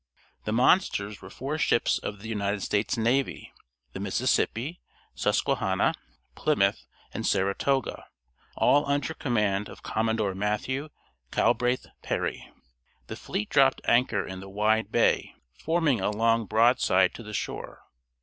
The monsters were four ships of the United States navy, the Mississippi, Susquehanna, Plymouth, and Saratoga, all under command of Commodore Matthew Calbraith Perry. The fleet dropped anchor in the wide bay, forming a line broadside to the shore.